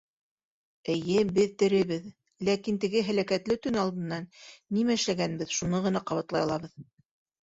Эйе, беҙ теребеҙ, ләкин теге һәләкәтле төн алдынан нимә эшләгәнбеҙ, шуны ғына ҡабатлай алабыҙ.